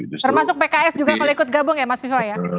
termasuk pks juga kalau ikut gabung ya mas viva ya